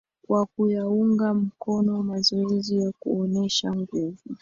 kwa kuyaunga mkono mazoezi ya kuonesha nguvu